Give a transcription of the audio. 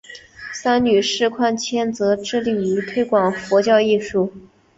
三女释宽谦则致力于推广佛教艺术。